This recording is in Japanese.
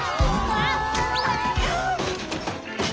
あっ！